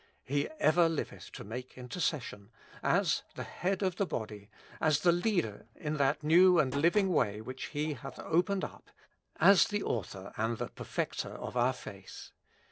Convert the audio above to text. He ever liveth to make intercession " as the Head of the body, as the Leader in that new and living way which He hath opened up, as the Author and the Perfecter of our faith.